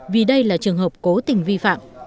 vì đây là trường hợp cố tình vi phạm